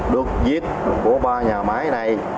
được viết của ba nhà máy này